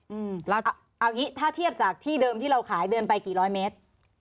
เราเอางี้ถ้าเทียบจากที่เดิมที่เราขายเดินไปกี่ร้อยเมตร